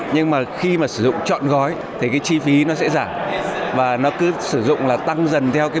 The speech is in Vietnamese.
nhưng mà khi mà sử dụng trọn gói thì cái chi phí nó sẽ giảm và nó cứ sử dụng là tăng dần theo cái